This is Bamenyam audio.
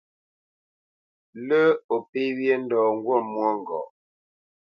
Lə́ o pé wyê ndɔ ŋgût mwôŋgɔʼ.